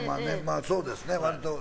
そうですね、割と。